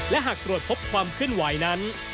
และหากตรวจพบความเคลื่อนไหวนั้น